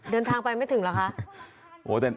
เดินทางไปไม่ถึงเหรอคะ